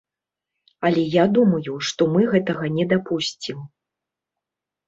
Але я думаю, што мы гэтага не дапусцім.